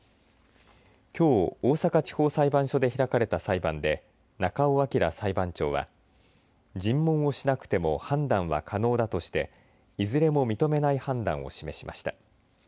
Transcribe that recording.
きょう、大阪地方裁判所で開かれた裁判で中尾彰裁判長は尋問をしなくても判断は可能だとしていずれも認めない判断を示しました。